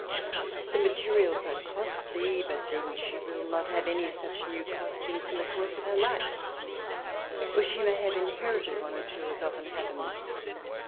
The materials are costly, but then she will not have any such new costumes in the course of her life, or she may have inherited one or two, as often happens.